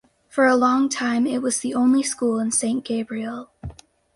For a long time it was the only school in Saint Gabriel.